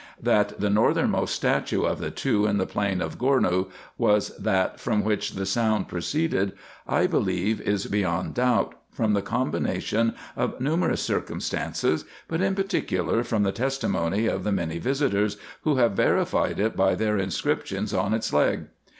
That the northernmost statue of the two in the plain of Gournou was that from winch the sound proceeded I believe is beyond doubt, from the combination of numerous circum stances, but in particular from the testimony of the many visitors, who have verified it by their inscriptions on its leg.